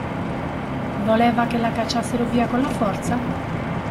Voleva che la cacciassero via con la forza?